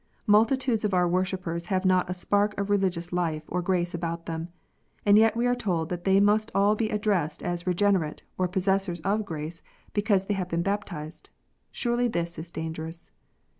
Multitudes of our worshippers have not a spark of religious life or grace about them. And yet we are told that they must all be addressed as regenerate, or possessors of grace, because they have been baptized ! Surely this is dangerous